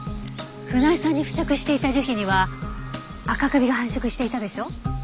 船井さんに付着していた樹皮にはアカカビが繁殖していたでしょ。